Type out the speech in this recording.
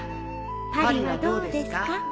「パリはどうですか？」